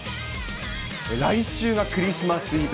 来週がクリスマスイブ。